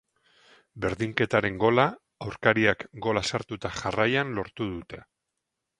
Berdinketaren gola aurkariak gola sartu eta jarraian lortu dute.